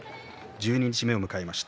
十二日目を迎えました。